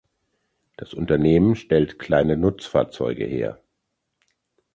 Das Unternehmen stellt kleine Nutzfahrzeuge her.